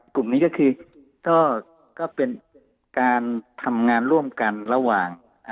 กลุ่มนี้ก็คือก็เป็นการทำงานร่วมกันระหว่าง